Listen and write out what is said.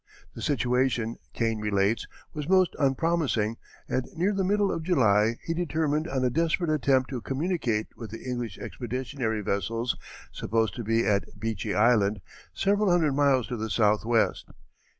The situation, Kane relates, was most unpromising, and near the middle of July he determined on a desperate attempt to communicate with the English expeditionary vessels supposed to be at Beechy Island, several hundred miles to the southwest.